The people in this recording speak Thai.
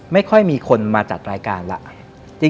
ไม่ค่อยมีคนมาจัดรายการแล้ว